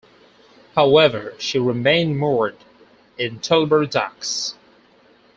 However, she remained moored in Tilbury Docks.